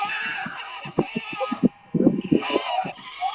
inayoelekea baharini kwa umbo la pembetatu